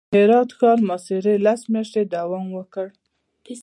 د هرات د ښار محاصرې لس میاشتې دوام وکړ.